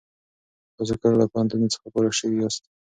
تاسو کله له پوهنتون څخه فارغ شوي یاست؟